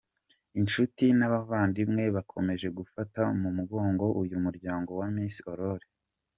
Inshuti n’abavandimwe bakomeje gufata mu mugongo uyu muryango wa Miss Aurore.